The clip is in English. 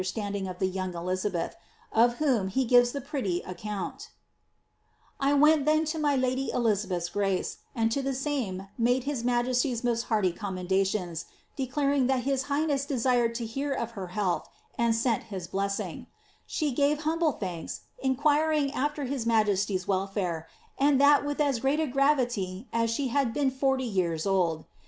Standing of the young Elizabeth, of whom he gives the following pretty account :—I went then to my lady Elizabeth's grace, and to the same made bis migestf^t most hearty commendations, declaring that his highness desired to hear of her health, and sent his blessing; she gave humble thanks, inquiring afler his majesty's welfare, and that with as great a gravity as she had been forty yean old.